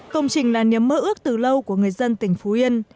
công trình là niềm mơ ước từ lâu của người dân tỉnh phú yên